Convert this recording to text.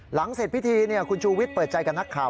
หลังเสร็จพิธีคุณชูวิทย์เปิดใจกับนักข่าว